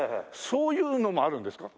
そういうのもあるんですか？